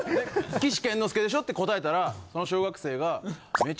「岸健之助でしょ」って答えたらその小学生が。